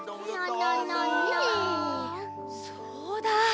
そうだ！